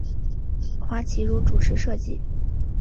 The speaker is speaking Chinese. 花琦如主持设计。